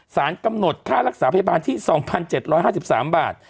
สารกำหนดค่ารักษาพยาบาลที่สองพันเจ็ดร้อยห้าสิบสามบาท